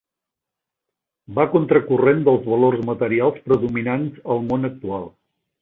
Va contra corrent dels valors materials predominants al món actual.